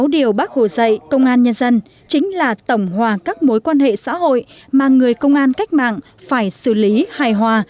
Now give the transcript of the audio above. sáu điều bác hồ dạy công an nhân dân chính là tổng hòa các mối quan hệ xã hội mà người công an cách mạng phải xử lý hài hòa